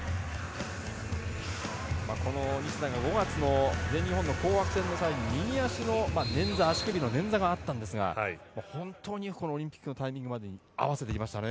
この西田が５月の全日本の紅白戦の際に右足の足首のねんざがあったんですが本当に、このオリンピックのタイミングまでに合わせてきましたね。